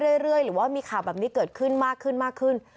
หรือว่ามีข่าวแบบนี้เกิดขึ้นมากขึ้นมากขึ้น